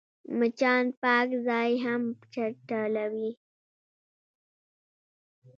مچان پاک ځای هم چټلوي